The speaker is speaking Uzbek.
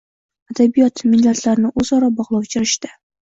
Adabiyot – millatlarni o‘zaro bog‘lovchi rishta